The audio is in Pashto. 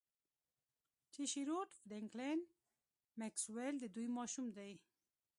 چې شیروډ فرینکلین میکسویل د دوی ماشوم دی